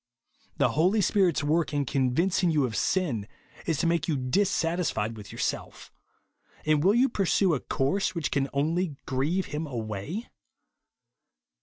The Holy Spirit's work in convincing you of sin, is to make you dissatisfied with your self; and vv^ill you pursue a course which can only grieve him away?